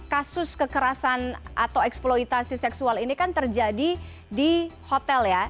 kasus kekerasan atau eksploitasi seksual ini kan terjadi di hotel ya